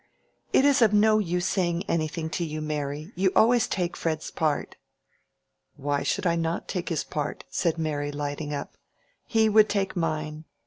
"It is of no use saying anything to you, Mary. You always take Fred's part." "Why should I not take his part?" said Mary, lighting up. "He would take mine.